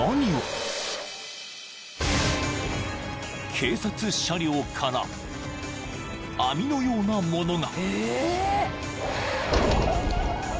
［警察車両から網のようなものが］